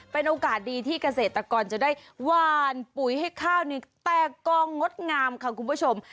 เป็นโอกาสดีที่เกษตรกรจะได้หวานปุ๋ยให้ข้าวนี่แตกกองงดงามค่ะคุณผู้ชม